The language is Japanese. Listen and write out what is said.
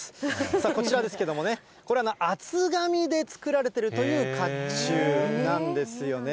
さあ、こちらですけれどもね、厚紙で作られているという甲冑なんですよね。